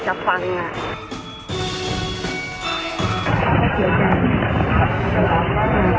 จะเป็นยังไงก็ขอ